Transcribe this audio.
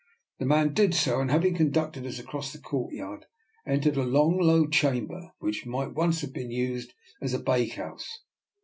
The man did so, and having conducted us across the courtyard, entered a long, low chamber, which might once have been used as a bake house.